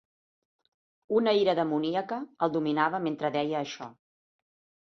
Una ira demoníaca el dominava mentre deia això.